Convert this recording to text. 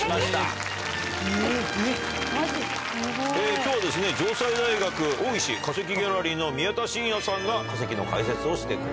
今日は城西大学大石化石ギャラリーの宮田真也さんが化石の解説をしてくださいます。